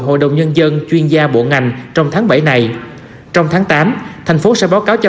hội đồng nhân dân chuyên gia bộ ngành trong tháng bảy này trong tháng tám thành phố sẽ báo cáo cho